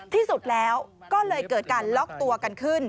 ที่สุดแล้วก็เลยเกิดการล็อกตัวกันขึ้น